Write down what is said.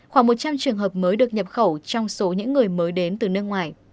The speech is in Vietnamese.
khoảng một trăm linh trường hợp mới được nhập khẩu trong số những người mới đến từ nước ngoài